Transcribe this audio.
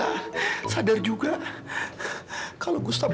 aku sudah takut sama gustaf